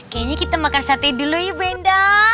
kayaknya kita makan sate dulu ya bu endang